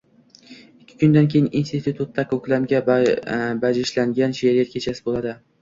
Ikki kundan keyin instititutda ko`klamga baјishlangan she`riyat kechasi bo`ladi